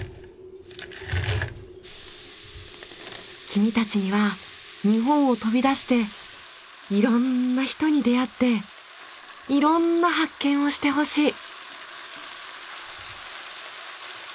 君たちには日本を飛び出して色んな人に出会って色んな発見をしてほしい。